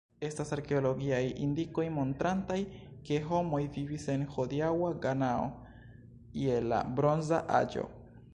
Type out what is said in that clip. Estas arkeologiaj indikoj montrantaj ke homoj vivis en hodiaŭa Ganao je la Bronza Aĝo.